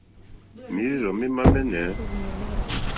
Mǐrzɔ̀ mémá mɛ́nɛ̌.